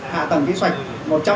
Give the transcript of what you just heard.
hạ tầng kỹ sạch một trăm linh